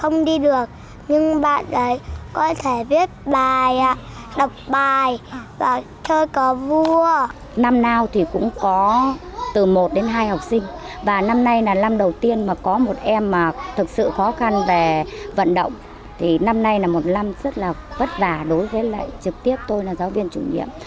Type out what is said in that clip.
năm nay là một năm rất là vất vả đối với lại trực tiếp tôi là giáo viên chủ nhiệm